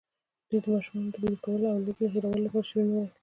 دوی د ماشومانو د ویده کولو او لوږې هېرولو لپاره شعرونه ویل.